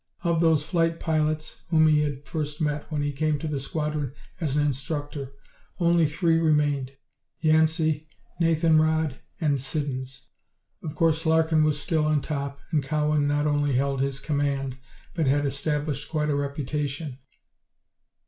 Of those flight pilots whom he had first met when he came to the squadron as an instructor, only three remained Yancey, Nathan Rodd and Siddons. Of course Larkin was still on top, and Cowan not only held his command, but had established quite a reputation.